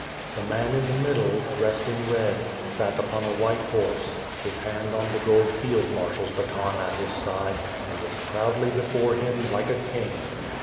The man in the middle, dressed in red, sat upon a white horse, his hand on the gold field marshal's baton at his side, and looked proudly before him, like a king.